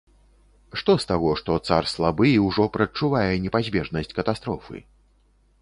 Што з таго, што цар слабы і ўжо прадчувае непазбежнасць катастрофы?